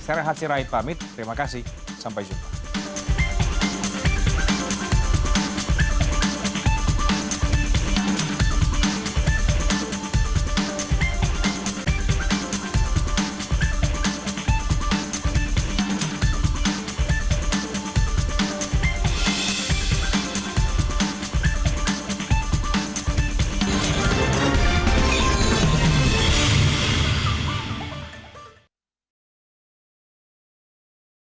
saya rahatsi raih pamit terima kasih sampai jumpa